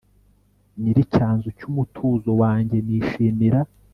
nyiricyanzu cy'umutuzo wanjye nishimira